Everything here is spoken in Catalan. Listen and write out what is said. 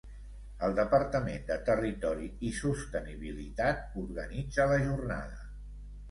El Departament de Territori i Sostenibilitat organitza la Jornada.